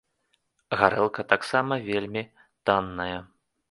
Гарэлка таксама вельмі танная.